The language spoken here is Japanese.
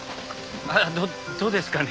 どどうですかね？